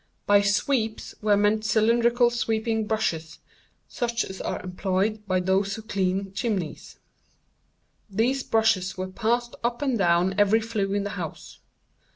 By 'sweeps' were meant cylindrical sweeping brushes, such as are employed by those who clean chimneys. These brushes were passed up and down every flue in the house.